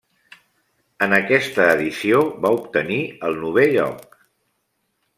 En aquesta edició va obtenir el novè lloc.